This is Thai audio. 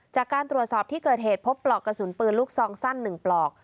จากการตรวจสอบที่เกิดเหตุพบปลอกกระสุนปืนลูกซองสั้น๑ปลอก